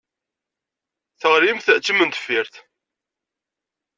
Teɣlimt d timendeffirt.